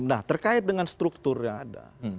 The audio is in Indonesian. nah terkait dengan struktur yang ada